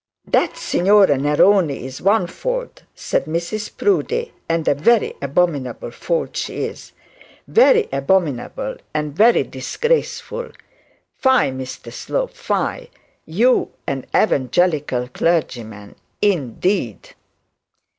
'That Signora Neroni is one fault,' said Mrs Proudie; 'and a very abominable fault she is; very abominable, and very disgraceful. Fie, Mr Slope, fie! You an evangelical clergyman indeed!'